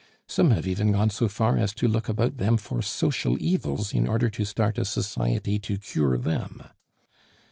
Some have even gone so far as to look about them for social evils in order to start a society to cure them.